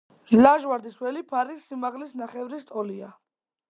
ლაჟვარდის ველი ფარის სიმაღლის ნახევრის ტოლია.